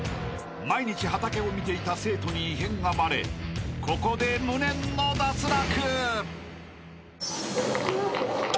［毎日畑を見ていた生徒に異変がバレここで無念の脱落］